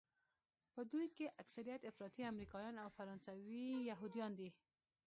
په دوی کې اکثریت افراطي امریکایان او فرانسوي یهودیان دي.